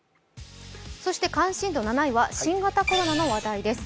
関心度７位は新型コロナの話題です。